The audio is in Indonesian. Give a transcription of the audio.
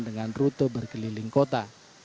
dengan rute berkeliling kota